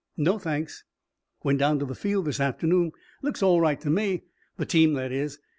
"No, thanks." "Went down to the field this afternoon looks all right to me. The team, that is.